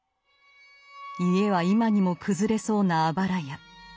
家は今にも崩れそうなあばら家。